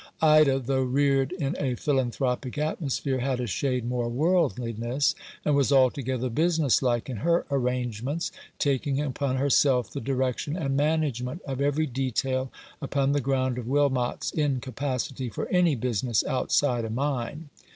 Ida, though reared in a philanthropic atmo sphere, had a shade more worldliness, and was altogether business like in her arrangements, taking upon herself the direction and management of every detail upon the ground of Wilmot's incapacity for any business outside a mine.